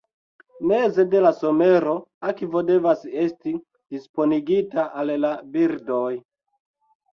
Meze de somero, akvo devas esti disponigita al la birdoj.